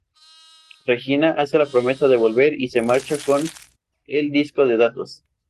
Regina hace la promesa de volver y se marcha con el disco de datos.